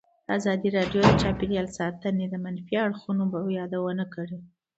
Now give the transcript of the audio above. ازادي راډیو د چاپیریال ساتنه د منفي اړخونو یادونه کړې.